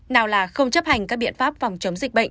nào là không chấp hành các biện pháp phòng chống dịch bệnh